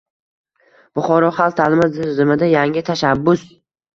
Buxoro: xalq ta’limi tizimida yangi tashabbusng